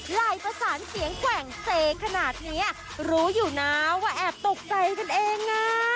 ลายประสานเสียงแกว่งเซขนาดนี้รู้อยู่นะว่าแอบตกใจกันเอง